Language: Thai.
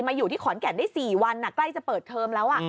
อยู่ที่ขอนแก่นได้๔วันใกล้จะเปิดเทอมแล้ว